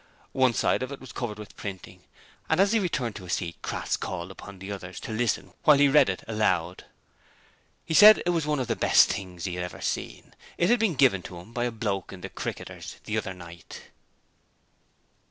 One side of it was covered with printing, and as he returned to his seat Crass called upon the others to listen while he read it aloud. He said it was one of the best things he had ever seen: it had been given to him by a bloke in the Cricketers the other night.